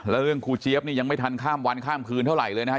แล้วเรื่องครูเจี๊ยบนี่ยังไม่ทันข้ามวันข้ามคืนเท่าไหร่เลยนะฮะ